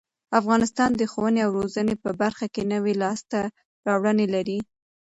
افغانستان د ښوونې او روزنې په برخه کې نوې لاسته راوړنې لري.